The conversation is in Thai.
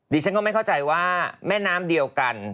ฉันก็ไม่เข้าใจว่าแม่น้ำเดียวกัน